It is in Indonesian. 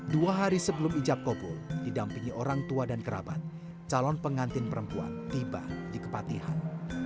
dua hari sebelum ijab kobul didampingi orang tua dan kerabat calon pengantin perempuan tiba di kepatihan